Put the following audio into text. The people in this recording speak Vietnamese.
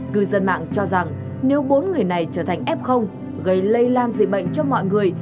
cư dân mạng cho rằng nếu bốn người này trở thành f gây lây lan dịch bệnh cho mọi người